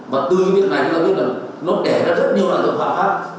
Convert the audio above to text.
và từ việc này chúng ta biết là nó đẻ ra rất nhiều là dụng hóa pháp